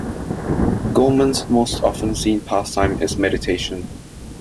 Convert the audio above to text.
Goemon's most often seen pastime is meditation.